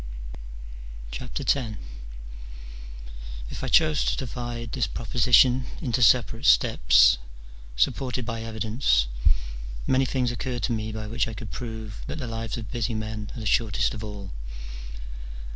X. If I chose to divide this proposition into separate steps, supported by evidence, many things occur to me by which I could prove that the lives of busy men are the shortest of all.